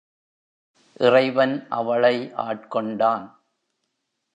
இறைவன் அவளை ஆட்கொண்டான்.